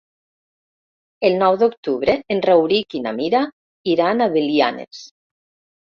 El nou d'octubre en Rauric i na Mira iran a Belianes.